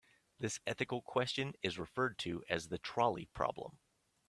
This ethical question is referred to as the trolley problem.